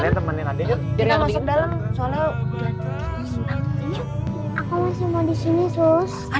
berterima kasih sekuja untuk memberi penentuan penampilan the statistik of our citizenship in indonesia